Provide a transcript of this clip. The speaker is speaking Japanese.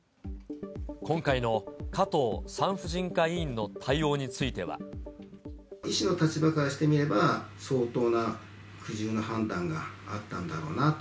今回の加藤産婦人科医院の対医師の立場からしてみれば、相当な苦渋の判断があったんだろうなと。